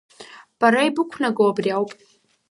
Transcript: Бара ибақәнаго абри ауп!